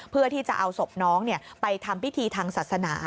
เพื่อที่จะเอาศพน้องไปทำพิธีทางศาสนา